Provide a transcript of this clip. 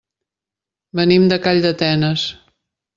Venim de Calldetenes.